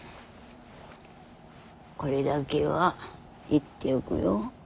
これだけは言っておくよ。